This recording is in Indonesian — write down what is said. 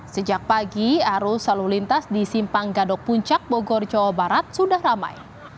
sejak pagi arus lalu lintas di simpang gadok puncak bogor jawa barat sudah ramai